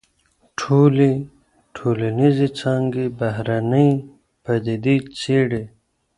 ټولي ټولنيزي څانګي بهرنۍ پديدې څېړي.